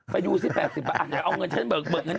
ไปอยู่สิ๘๐บาทอ่ะเดี๋ยวเอาเงินฉันเบิกนี่